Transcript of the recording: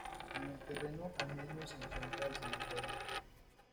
En el terreno anejo se encuentra el cementerio.